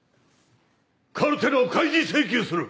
カルテの開示請求する！